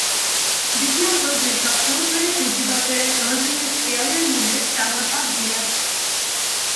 দ্বিতীয়ত, দুই সপ্তাহ ধরে পুঁজিবাজারে অ্যামাজনের শেয়ারের মূল্যে চাঙা ভাব বিরাজ করছে।